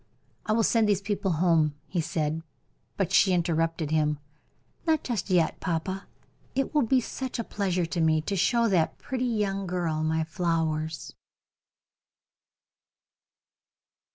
"I will send these people home," he said; but she interrupted him. "Not just yet, papa; it will be such a pleasure to me to show that pretty young girl my flowers."